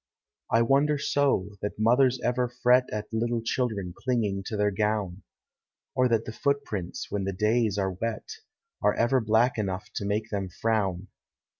I wonder so that mothers ever fret At little children clinging to their gown; Or that the footprints, when the days are wet, Are ever black enough to make them frown.